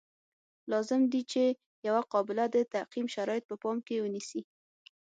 لازم دي چې یوه قابله د تعقیم شرایط په پام کې ونیسي.